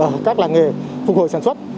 ở các làng nghề phục hồi sản xuất